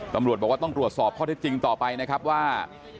ตำรวจบอกว่าต้องตรวจสอบข้อเท็จจริงต่อไปนะครับว่า